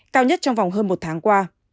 cao nhất trong vòng hơn một tháng qua